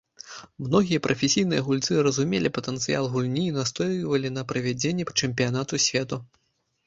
Многія прафесійныя гульцы разумелі патэнцыял гульні і настойвалі на правядзенні чэмпіянату свету.